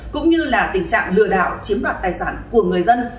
cũng như là tình trạng lừa đảo chiếm đoạt tài sản của người dân